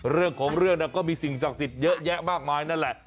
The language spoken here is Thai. เรื่องของเรื่องก็มีสิ่งศักดิ์สิทธิ์เยอะแยะมากมายนั่นแหละ